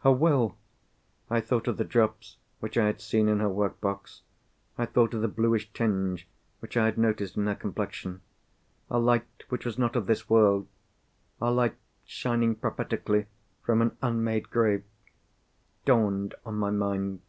Her Will! I thought of the drops which I had seen in her work box. I thought of the bluish tinge which I had noticed in her complexion. A light which was not of this world—a light shining prophetically from an unmade grave—dawned on my mind.